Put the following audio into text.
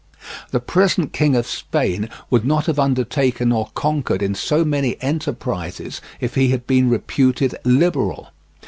The present King of Spain would not have undertaken or conquered in so many enterprises if he had been reputed liberal.